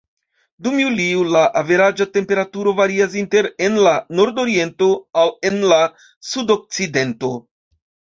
Dum julio, la averaĝa temperaturo varias inter en la nordoriento al en la sudokcidento.